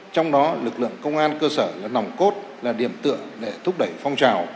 trong đó lực lượng công an cơ sở là nòng cốt là điểm tượng để thúc đẩy phong trào